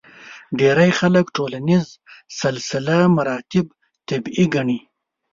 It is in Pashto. ډېری خلک ټولنیز سلسله مراتب طبیعي ګڼي.